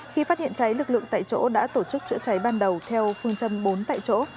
khi phát hiện cháy lực lượng tại chỗ đã tổ chức chữa cháy ban đầu theo phương châm bốn tại chỗ